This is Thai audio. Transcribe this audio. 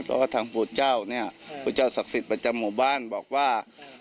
เพราะว่าทางปู่เจ้าเนี่ยพระเจ้าศักดิ์สิทธิ์ประจำหมู่บ้านบอกว่า